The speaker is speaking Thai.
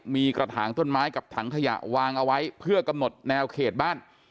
มีกระถางต้นไม้กับถังขยะวางเอาไว้เพื่อกำหนดแนวเขตบ้าน